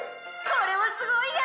「これはすごいや！」